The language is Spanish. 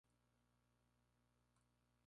No hará esto si se invoca como sh.